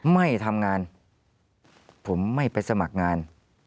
ไม่ทำงานผมไม่ไปสมัครงาน